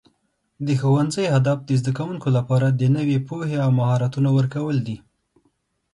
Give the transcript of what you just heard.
د ښوونځي هدف د زده کوونکو لپاره د نوي پوهې او مهارتونو ورکول دي.